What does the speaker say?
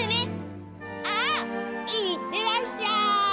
あっいってらっしゃい！